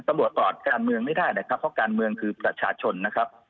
ต่อการเมืองไม่ได้นะครับเพราะการเมืองคือประชาชนนะครับ